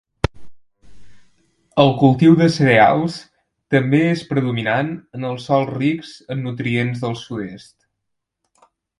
El cultiu de cereals també és predominant en els sòls rics en nutrients del sud-est.